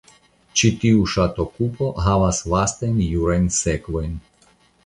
Ĉi tiu ŝatokupo havas vastajn jurajn sekvojn.